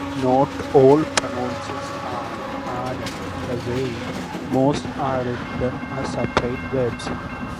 Not all pronouns are added in this way; most are written as separate words.